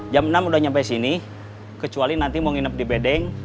jam enam udah nyampe sini kecuali nanti mau nginep di bedeng